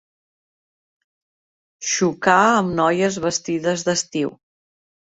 Xocar amb noies vestides d'estiu.